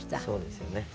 そうですよね。